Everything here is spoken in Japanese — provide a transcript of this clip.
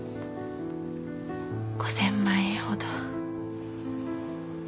５，０００万円ほど。